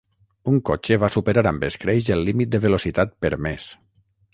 Un cotxe va superar amb escreix el límit de velocitat permès.